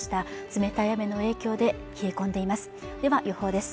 冷たい雨の影響で冷え込んでいますでは予報です